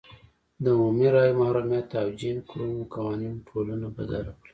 د عمومي رایو محرومیت او جیم کرو قوانینو ټولنه بدله کړه.